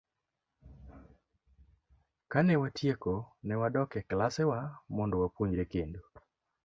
Kane watieko, ne wadok e klasewa mondo wapuonjre kendo.